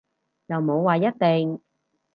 又冇話一定